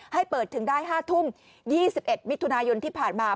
ให้เปิดถึงได้๕ทุ่ม๒๑มิถุนายนที่ผ่านมา